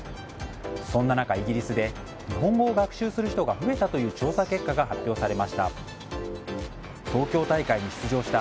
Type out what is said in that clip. そんな中、イギリスで日本語を学習する人が増えたという調査結果が発表されました。